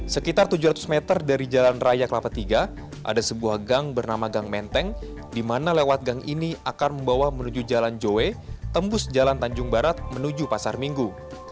sekitar tujuh ratus meter dari jalan raya kelapa iii ada sebuah gang bernama gang menteng di mana lewat gang ini akan membawa menuju jalan jowe tembus jalan tanjung barat menuju pasar minggu